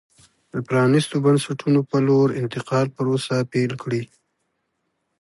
د پرانېستو بنسټونو په لور انتقال پروسه پیل کړي.